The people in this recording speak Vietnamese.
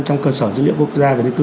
trong cơ sở dữ liệu quốc gia về dân cư